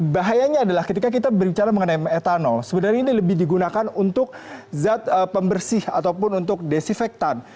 bahayanya adalah ketika kita berbicara mengenai metanol sebenarnya ini lebih digunakan untuk zat pembersih ataupun untuk desinfektan